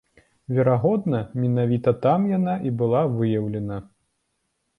Верагодна, менавіта там яна і была выяўлена.